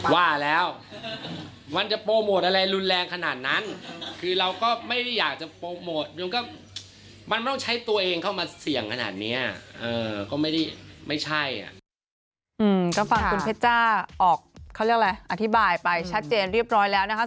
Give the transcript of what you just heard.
ก็ฟังคุณเพชจ้าออกเขาเรียกอะไรอธิบายไปชัดเจนเรียบร้อยแล้วนะคะ